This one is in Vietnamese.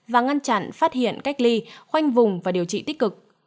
và ngăn chặn phát hiện cách ly khoanh vùng và điều trị tích cực